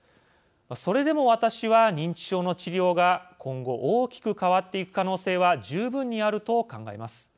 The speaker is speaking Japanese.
それでも私は、認知症の治療が今後、大きく変わっていく可能性は十分にあると考えます。